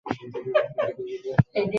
ঠিক আমার পয়েন্ট!